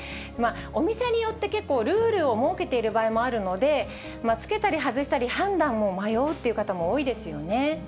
お店によって、結構ルールを設けている場合もあるので、着けたり外したり、判断を迷うって方も多いですよね。